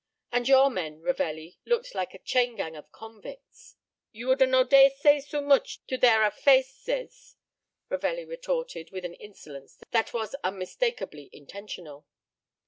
And your men, Ravelli, looked like a chain gang of convicts." "You woulda no dare say so mooch to their a fa ces," Ravelli retorted, with an insolence that was unmistakably intentional.